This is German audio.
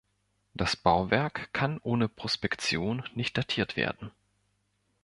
Das Bauwerk kann ohne Prospektion nicht datiert werden.